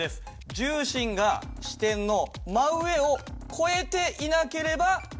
重心が支点の真上を越えていなければ。